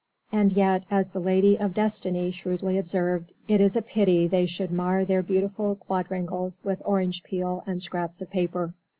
And yet, as the Lady of Destiny shrewdly observed, it is a pity they should mar their beautiful quadrangles with orange peel and scraps of paper.